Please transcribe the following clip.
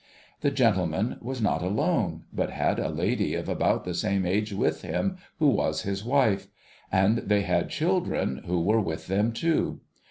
The gentleman was not alone, but had a lady of about the same age with him, who was his \\'ife ; and they had children, who were with them too.